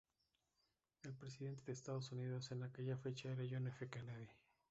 El presidente de Estados Unidos en aquella fecha era John F. Kennedy.